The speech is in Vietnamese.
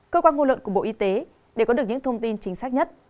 cơ quan ngôn luận của bộ y tế để có được những thông tin chính xác nhất